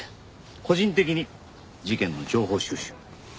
個人的に事件の情報収集。